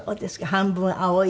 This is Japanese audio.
『半分、青い。』。